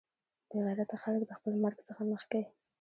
بې غیرته خلک د خپل مرګ څخه مخکې.